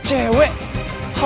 jawab dengan baik